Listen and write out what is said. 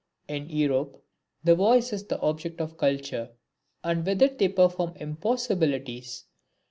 In Europe the voice is the object of culture, and with it they perform impossibilities.